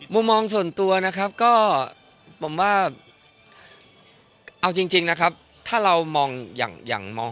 มุมมองส่วนตัวนะครับก็ผมว่าเอาจริงนะครับถ้าเรามองอย่างอย่างมอง